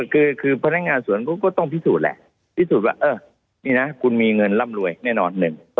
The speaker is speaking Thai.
คือพนักงานสวนก็ต้องพิสูจน์แหละพิสูจน์ว่านี่นะคุณมีเงินร่ำรวยแน่นอน